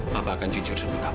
papa akan jujur sendirimu